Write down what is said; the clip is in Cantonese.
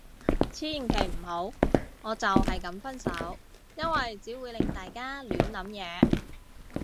千祈唔好，我就係噉分手。因為只會令大家亂諗嘢